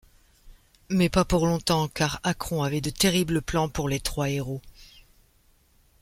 Mais pas pour longtemps, car Akron avait de terribles plans pour les trois héros.